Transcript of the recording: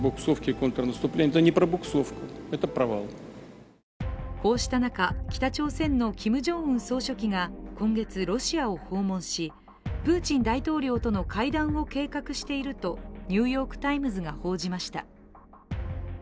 これに、プーチン大統領はこうした中、北朝鮮のキム・ジョンウン総書記が今月、ロシアを訪問しプーチン大統領との会談を計画していると「ニューヨーク・タイムズ」が報じました。